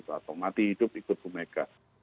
atau mati hidup ikut bumega